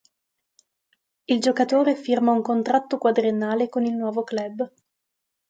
Il giocatore firma un contratto quadriennale con il nuovo club.